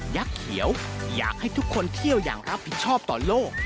ักษ์เขียวอยากให้ทุกคนเที่ยวอย่างรับผิดชอบต่อโลก